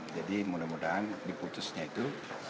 jadi mudah mudahan diputusnya itu